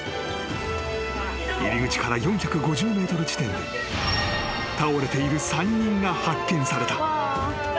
［入り口から４５０ｍ地点で倒れている３人が発見された］